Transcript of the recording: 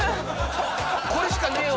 これしかねえわ。